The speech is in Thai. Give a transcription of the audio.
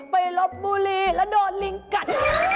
ลบบุรีแล้วโดนลิงกัด